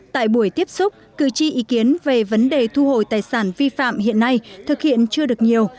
tại buổi tiếp xúc cử tri ý kiến về vấn đề thu hồi tài sản vi phạm hiện nay thực hiện chưa được nhiều